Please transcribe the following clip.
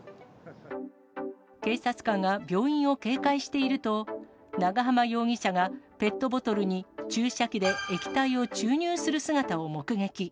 警察官が病院を警戒していると、長浜容疑者がペットボトルに注射器で液体を注入する姿を目撃。